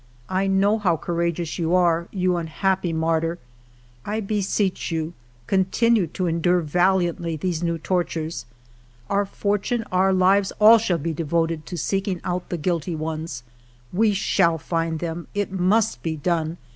I know how courageous you are, you unhappy martyr ! I beseech you, continue to endure val iantly these new tortures. Our fortune, our lives, — all shall be devoted to seeking out the guilty ones. We will find them ; it must be done.